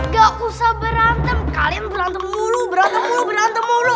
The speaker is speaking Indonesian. gak usah berantem kalian berantem mulu berantem mulu berantem mulu